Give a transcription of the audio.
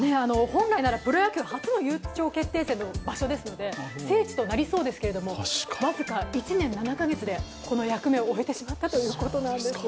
本来ならプロ野球初の優勝決定戦の場所ですので、聖地となりそうですけど、僅か１年７か月でこの役目を終えてしまったということなんです。